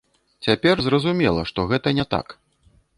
Цяпер зразумела, што гэта не так.